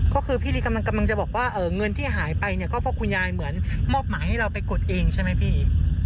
ก็คือพี่ลีกำลังจะบอกว่าเงินที่หายไปเนี่ยก็เพราะคุณยายเหมือนมอบหมายให้เราไปกดเองใช่ไหมพี่